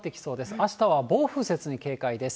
あしたは暴風雪に警戒です。